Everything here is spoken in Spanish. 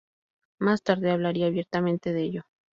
Más tarde hablaría abiertamente de ello.